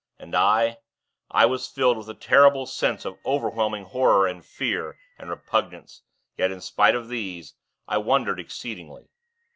And I I was filled with a terrible sense of overwhelming horror and fear and repugnance; yet, spite of these, I wondered exceedingly.